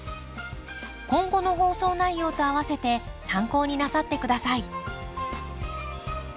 今後の放送内容とあわせて参考になさって下さい。